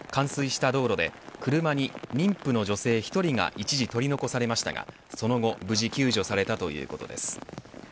冠水した道路で、車に妊婦の女性１人が一時、取り残されましたがその後無事救助されたということです。